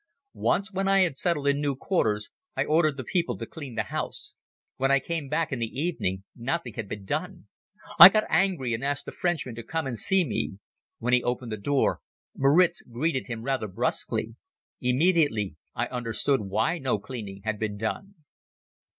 Once, when I had settled in new quarters, I ordered the people to clean the house. When I came back in the evening nothing had been done. I got angry and asked the Frenchman to come and see me. When he opened the door Moritz greeted him rather brusquely. Immediately I understood why no cleaning had been done.